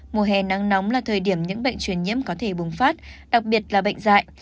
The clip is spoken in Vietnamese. mùa hè nắng nóng là thời điểm những bệnh truyền nhiễm có thể bùng phát đặc biệt là bệnh dạy